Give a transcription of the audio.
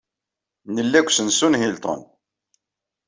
Nella deg usensu n Hilton.